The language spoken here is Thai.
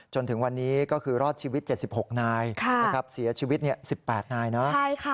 จนถึงวันนี้ก็คือรอดชีวิตเจ็ดสิบหกนายค่ะนะครับเสียชีวิตเนี่ยสิบแปดนายเนอะใช่ค่ะ